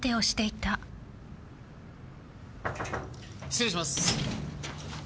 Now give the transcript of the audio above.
失礼します。